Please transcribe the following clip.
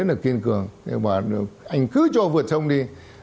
anh cứ cho vượt sông đi